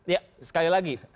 ya sekali lagi